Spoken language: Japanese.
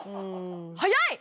早い！